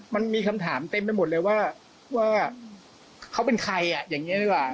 มันมีคำถามเต็มไปหมดเลยว่าเขาเป็นใครอ่ะอย่างนี้ดีกว่า